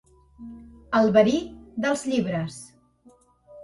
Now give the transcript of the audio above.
El verí dels llibres.